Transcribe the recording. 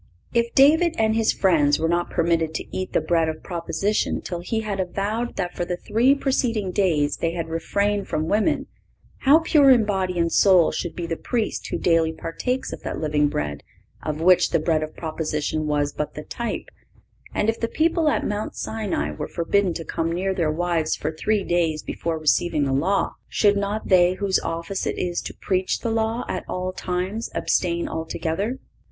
If David and his friends were not permitted to eat the bread of Proposition till he had avowed that for the three preceding days they had refrained from women,(527) how pure in body and soul should be the Priest who daily partakes of that living Bread of which the bread of Proposition was but the type; and if the people at Mount Sinai were forbidden to come near their wives for three days before receiving the Law,(528) should not they whose office it is to preach the Law at all times abstain altogether?